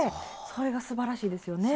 それがすばらしいですよね。